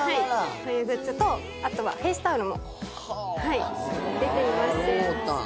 こういうグッズとあとはフェイスタオルもはあ「ろーたん」